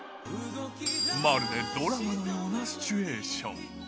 まるでドラマのようなシチュエーション。